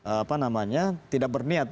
apa namanya tidak berniat